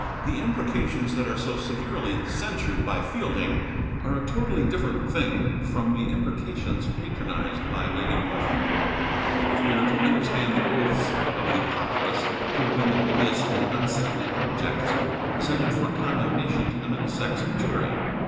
The imprecations that are so severely censured by Fielding are a totally different thing from the imprecations patronised by Lady Grosvenor, if we are to understand the oaths of the populace to have been the hideous and unsightly objects presented for condemnation to the Middlesex jury.